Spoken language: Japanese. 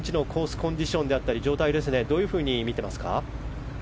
コンディションであったり状態はどういうふうに見ていますか？